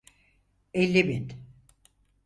Elli bin.